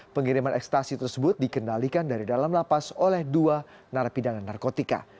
pengiriman ekstasi tersebut dikendalikan dari dalam lapas oleh dua narapidana narkotika